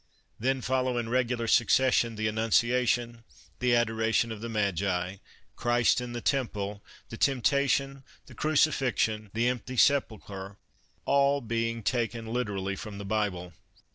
Then follow in regular suc cession the Annunciation, the Adoration of the Magi, Christ in the Temple, the Temptation, the Crucifixion, the Empty Sepulchre, all being taken literally from the Bible.